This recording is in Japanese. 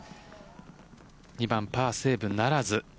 ２番、パーセーブならず。